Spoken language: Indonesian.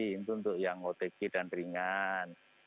itu untuk yang otg dan ringan